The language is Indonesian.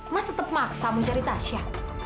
mas tetep maksa mau cari tasya